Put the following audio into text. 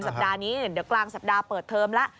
สัปดาห์นี้เดี๋ยวกลางสัปดาห์เปิดเทอมแล้ว